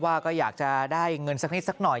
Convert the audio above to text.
ว่าก็อยากจะได้เงินสักนิดสักหน่อย